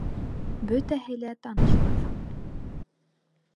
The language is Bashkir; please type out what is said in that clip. Бөтәһе лә таныш уларҙың.